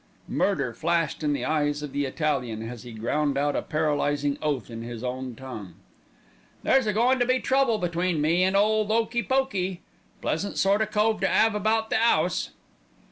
Murder flashed in the eyes of the Italian, as he ground out a paralysing oath in his own tongue. "There's a goin' to be trouble between me an' ole 'Okey Pokey. Pleasant sort o' cove to 'ave about the 'ouse."